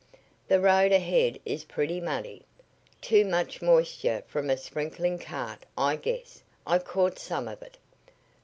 The road ahead is pretty muddy. Too much moisture from a sprinkling cart, I guess. I caught some of it."